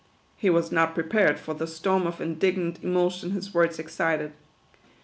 He was not prepared for the storm of indignant emotion his words excited.